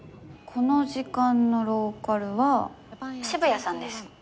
この時間のローカルは渋谷さんです。